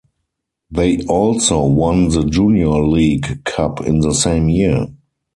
They also won the Junior League Cup in the same year.